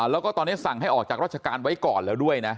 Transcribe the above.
แล้วก็ตอนนี้สั่งให้ออกจากราชการไว้ก่อนแล้วด้วยนะ